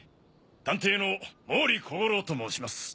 探偵の毛利小五郎と申します。